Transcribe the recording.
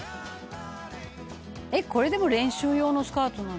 「えっこれでも練習用のスカートなの？」